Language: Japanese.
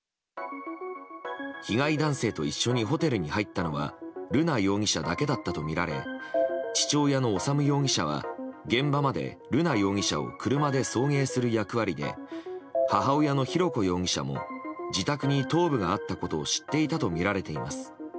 被害男性と一緒にホテルに入ったのは瑠奈容疑者だけだったとみられ父親の修容疑者は、現場まで瑠奈容疑者を車で送迎する役割で母親の浩子容疑者も自宅に頭部があったことを知っていたとみられています。